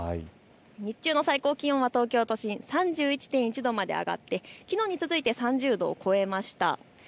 日中の最高気温、東京都心３１．１度まで上がってきのうに続いて３０度を超えました。